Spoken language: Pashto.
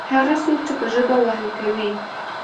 هغه څوک چې په ژبه وهل کوي.